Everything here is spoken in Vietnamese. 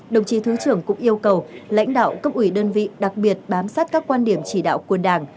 đồng chí thứ trưởng cũng yêu cầu lãnh đạo cấp ủy đơn vị đặc biệt bám sát các quan điểm chỉ đạo của đảng